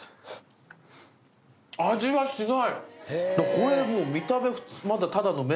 これもう。